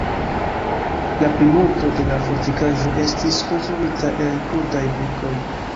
La plimulto de la fortikaĵo estis konstruita el krudaj brikoj.